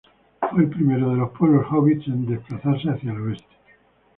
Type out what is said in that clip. Fue el primero de los pueblos hobbits en desplazarse hacia el oeste.